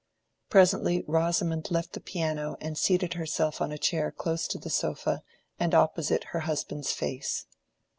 Presently Rosamond left the piano and seated herself on a chair close to the sofa and opposite her husband's face.